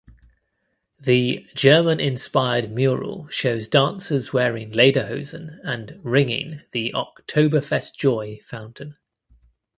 The "German inspired" mural shows dancers wearing lederhosen and "ringing" the "Oktoberfest Joy" fountain.